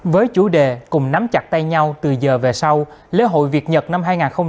với chủ đề cùng nắm chặt tay nhau từ giờ về sau lễ hội việt nhật năm hai nghìn hai mươi bốn